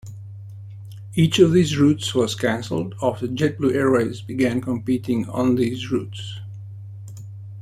Each of these routes was canceled after JetBlue Airways began competing on these routes.